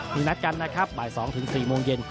มีนัดกันนะครับบ่าย๒๔โมงเย็น